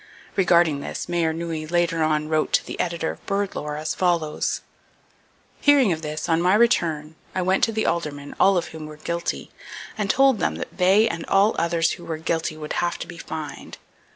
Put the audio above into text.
Regarding this, Mayor Nooe later on wrote to the editor of Bird Lore as follows: "Hearing of this, on my return, I went to the Aldermen, all of whom were guilty, and told them that they and all others who were guilty would have to be fined.